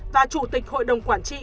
và chủ tịch hội đồng quản trị